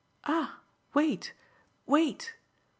"Ah wait, wait!"